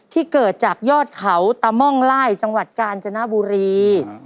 ที่เกิดจากยอดเขาตะม่องไล่จังหวัดกาญจนบุรี